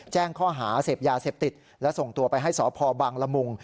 แจ้งข้อหาเสพยาเสพติดและส่งตัวไปให้สพบังละมุง